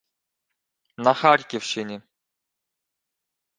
на Харківщині